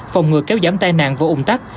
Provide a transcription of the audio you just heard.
phòng ngừa kéo giảm tai nạn và ủng tắc